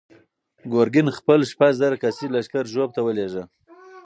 ګورګین خپل شپږ زره کسیز لښکر ژوب ته ولېږه.